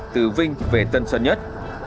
từ vinh về tân sơn nhất